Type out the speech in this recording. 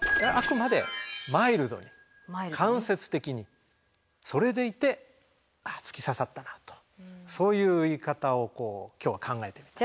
あくまでマイルドに間接的にそれでいてあ突き刺さったなとそういう言い方を今日は考えて。